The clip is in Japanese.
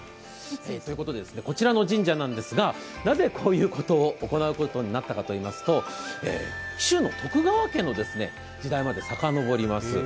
こちらの神社ですが、なぜ、こういうことを行うことになったのかといいますと、紀州の徳川家の時代までさかのぼります。